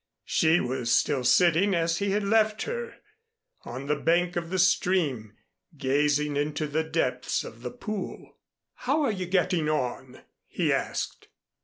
She was still sitting as he had left her, on the bank of the stream, gazing into the depths of the pool. "How are you getting on?" he asked.